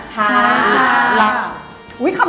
ทางบ้านชวนเครื่องมาก็ได้กันนะ